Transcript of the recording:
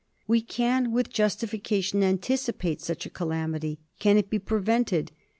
We can, with justification, anticipate, such a calamity. Can it be prevented ?